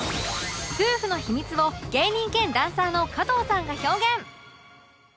夫婦の秘密を芸人兼ダンサーの加藤さんが表現